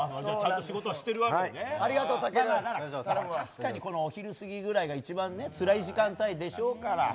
確かにお昼過ぎくらいが一番つらい時間帯でしょうから。